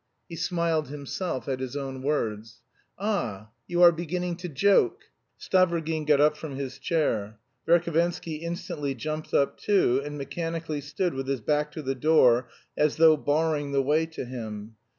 He smiled himself at his own words. "Ah, you are beginning to joke!" Stavrogin got up from his chair. Verhovensky instantly jumped up too, and mechanically stood with his back to the door as though barring the way to him.